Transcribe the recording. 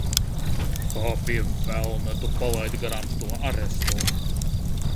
Kā, pie velna, tu palaidi garām to arestu?